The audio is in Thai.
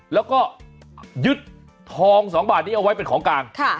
แล้วก็ยึดทอง๒บาทนี้เอาไว้เป็นของกลาง